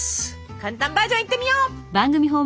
簡単バージョンいってみよう！